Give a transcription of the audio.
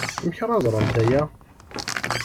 Amek ara ẓrent aya?